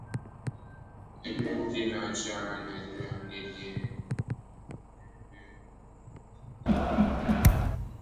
ebe ndị na-achị ala Nigeria nile nọ na-ebi ka Dantata